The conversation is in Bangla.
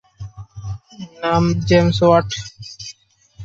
নাম জেমস ওয়াট।